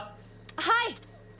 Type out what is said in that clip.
はい。